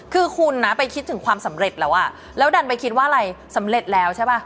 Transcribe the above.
คือคุณนะไปคิดถึงความสำเร็จแล้วอ่ะแล้วดันไปคิดว่าอะไรสำเร็จแล้วใช่ป่ะ